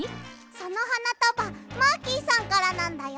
そのはなたばマーキーさんからなんだよ。